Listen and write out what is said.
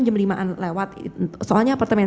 jam lima an lewat soalnya apartemen